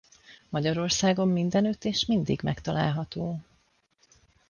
Magyarországon mindenütt és mindig megtalálható.